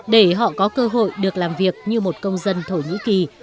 để họ có cơ hội được làm việc như một công dân thổ nhĩ kỳ